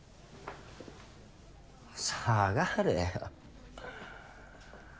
下がれよ。